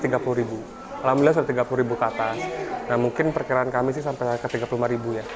alhamdulillah sudah tiga puluh ke atas dan mungkin perkiraan kami sampai ke tiga puluh lima ya